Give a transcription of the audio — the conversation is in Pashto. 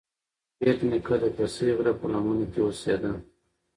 بېټ نیکه د کسي غره په لمنو کې اوسیده.